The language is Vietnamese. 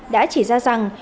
đã chỉ ra rằng